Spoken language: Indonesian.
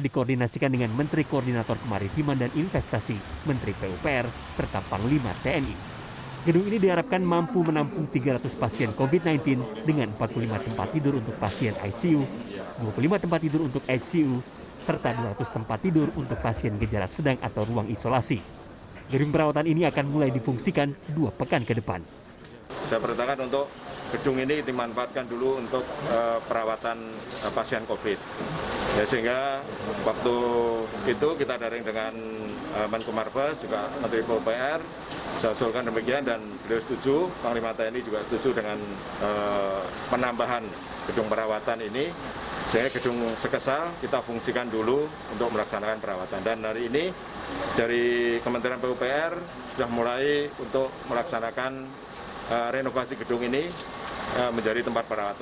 di kementerian pupr sudah mulai untuk melaksanakan renovasi gedung ini menjadi tempat perawatan